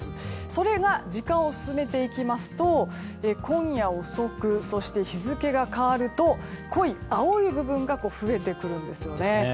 それが、時間を進めていきますと今夜遅く、そして日付が変わると濃い青い部分が増えてくるんですよね。